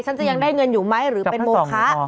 ฉันจะยังได้เงินอยู่ไหมหรือเป็นโมคะ